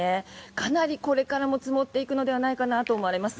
かなりこれからも積もっていくのではないかなと思われます。